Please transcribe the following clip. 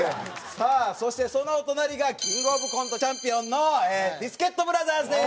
さあそしてそのお隣がキングオブコントチャンピオンのビスケットブラザーズです！